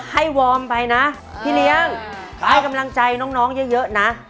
วอร์มไปนะพี่เลี้ยงไปให้กำลังใจน้องเยอะนะ